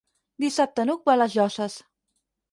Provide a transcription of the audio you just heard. Dissabte n'Hug va a les Llosses.